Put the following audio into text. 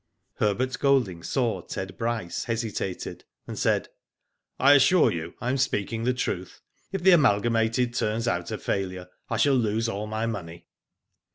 Herbert Golding saw Ted Bryce hesitated, and said :I assure you I am speaking the truth. If the Amalgamated turns out a failure, I shall lose all my money."